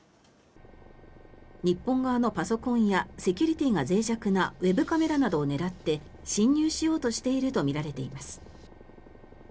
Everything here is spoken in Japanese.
日本側のパソコンやセキュリティーがぜい弱なウェブカメラなどを狙って侵入しようとしているとみられています。